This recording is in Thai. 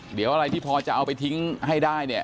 เดี๋ยวอะไรที่พอจะเอาไปทิ้งให้ได้เนี่ย